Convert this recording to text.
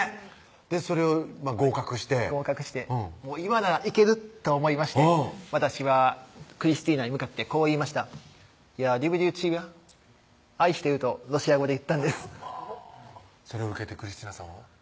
でそれを合格して合格して今ならいけると思いまして私はクリスティナに向かってこう言いました「ヤリュブリューティビャ」「愛してる」とロシア語で言ったんですそれを受けてクリスティナさんは？